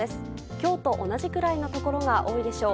今日と同じくらいのところが多いでしょう。